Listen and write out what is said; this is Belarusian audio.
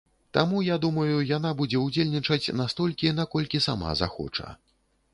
Таму, я думаю, яна будзе ўдзельнічаць настолькі, наколькі сама захоча.